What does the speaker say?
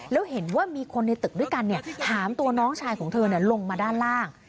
แล้วเห็นว่ามีคนในตึกด้วยกันหามตัวน้องชายของเธอลงมาด้านล่าง